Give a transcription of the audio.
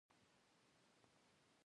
غوره خوراکي عادتونه د زړه لپاره ګټور دي.